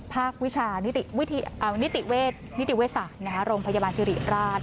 ภาควิชานิติเวสาโรงพยาบาลสิริราช